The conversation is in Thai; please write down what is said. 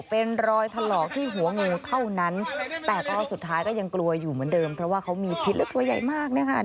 เป็นรอยถลอกที่หัวงูเท่านั้นแต่ก็สุดท้ายก็ยังกลัวอยู่เหมือนเดิมเพราะว่าเขามีพิษและตัวใหญ่มากนะคะ